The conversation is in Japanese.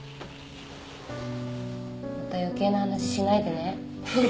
また余計な話しないでね。